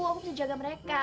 aku bisa jaga mereka